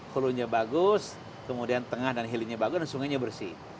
hulunya bagus kemudian tengah dan hilirnya bagus dan sungainya bersih